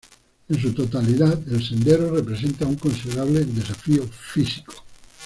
En su totalidad, el sendero representa un considerable desafío físico.